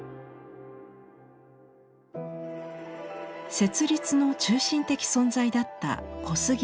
設立の中心的存在だった小杉放菴。